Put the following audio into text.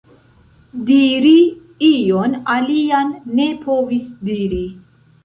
Diri ion alian ne povis diri.